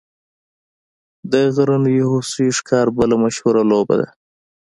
د غرنیو هوسیو ښکار بله مشهوره لوبه ده